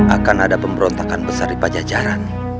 akan ada pemberontakan besar di pajajaran